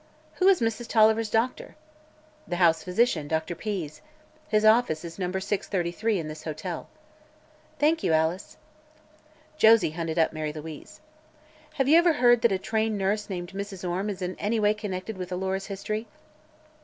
"Who is Mrs. Tolliver's doctor?" "The house physician, Dr. Pease. His office is No. 633, in this hotel." "Thank you, Alice." Josie hunted up Mary Louise. "Have you ever heard that a trained nurse named Mrs. Orme is in any way connected with Alora's history?"